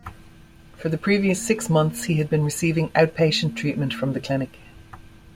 For the previous six months he had been receiving out-patient treatment from the clinic.